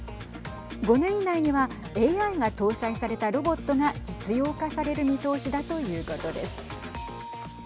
５年以内にはＡＩが搭載されたロボットが実用化される見通しだということです。